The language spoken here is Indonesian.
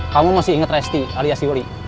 kamu masih ingat resti alias yuli